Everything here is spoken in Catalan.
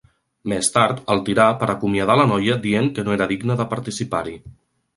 Més tard, el tirà va acomiadar la noia dient que no era digna de participar-hi.